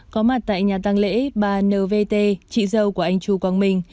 có mặt tại nhà tăng lễ bà n v t chị dâu của anh chu quang minh